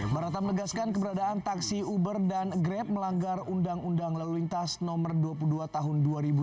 barata menegaskan keberadaan taksi uber dan grab melanggar undang undang lalu lintas no dua puluh dua tahun dua ribu dua puluh